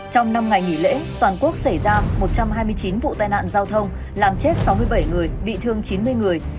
trong năm ngày nghỉ lễ toàn quốc xảy ra một trăm hai mươi chín vụ tai nạn giao thông làm chết sáu mươi bảy người bị thương chín mươi người